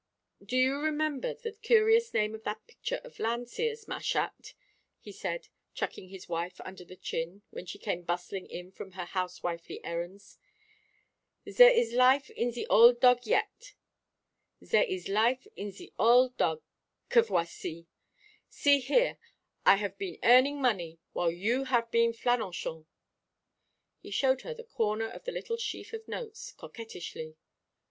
"Do you remember the curious name of that picture of Landseer's, ma chatte?" he said, chucking his wife under the chin when she came bustling in from her housewifely errands. "'Zair is lif in ze all dogue yet.' Zair is lif in ze all dogue, que voici. See here, I have been earning money while you have been flânochant." He showed her the corner of the little sheaf of notes, coquettishly.